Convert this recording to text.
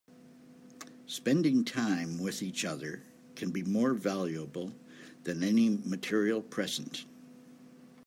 Spending time with each other can be more valuable than any material present.